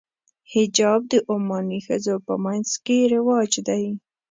حجاب د عماني ښځو په منځ کې رواج دی.